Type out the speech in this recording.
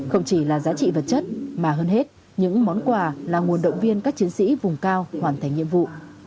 không chỉ là giá trị vật chất mà hơn hết những món quà là nguồn động viên các chiến sĩ vùng cao hoàn thành nhiệm vụ